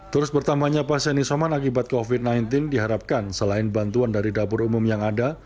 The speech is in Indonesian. terus bertambahnya pasien isoman akibat covid sembilan belas diharapkan selain bantuan dari dapur umum yang ada